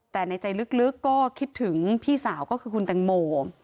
แต่ในใจลึกก็คิดถึงพี่สาวก็คือคุณแตงโม